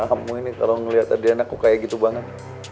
kamu ini kalo ngeliat adriana aku kayak gitu banget